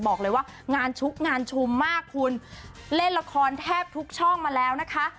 บอกเลยว่างานชุกงานชุมมากคุณเล่นละครแทบทุกช่องมาแล้วนะคะ